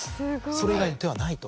それ以外に手はないと。